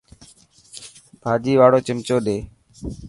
ڀاڄي واڙو چمچو ڏي.